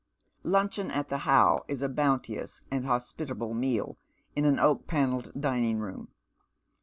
Luncheon at the How is a bounteous and hospitable meal, in an oak paneled dining room.